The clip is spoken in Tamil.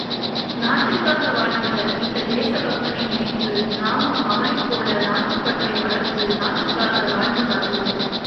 நாட்டுக்காக வாழ்ந்த இந்த தேசபக்தனை நினைத்து நாமும் அவனைப் போல நாட்டுப் பற்றை வளர்த்து நாட்டுக்காக வாழ்ந்து காட்டுவோம்!